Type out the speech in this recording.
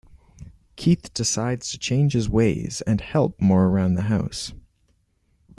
Keith decides to change his ways and help more around the house.